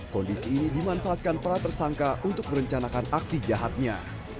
kondisi ini dimanfaatkan para tersangka untuk merencanakan aksi jahatnya